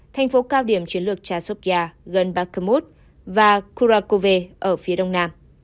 thành phố cao điểm chiến lược chasovia gần bakhmut và kurakove ở phía đông nam